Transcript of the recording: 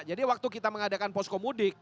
jadi waktu kita mengadakan posko mudik